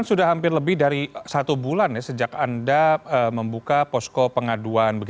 sudah hampir lebih dari satu bulan ya sejak anda membuka posko pengaduan